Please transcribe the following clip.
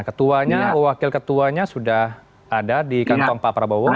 ketuanya wakil ketuanya sudah ada di kantong pak prabowo